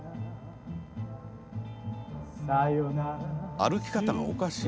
歩き方がおかしい。